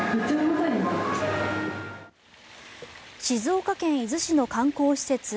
静岡県伊豆市の観光施設